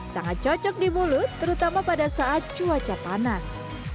sangat cocok di mulut terutama pada saat cuaca panas